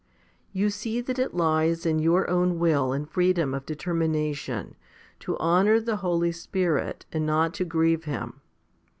1 You see that it lies in your own will and freedom of determination to honour the Holy Spirit and not to grieve Him.